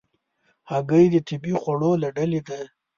هګۍ د طبیعي خوړو له ډلې ده.